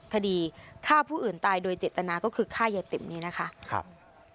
คดีฆ่าผู้อื่นตายโดยเจตนาก็คือฆ่ายายติ๋มนี้นะคะครับ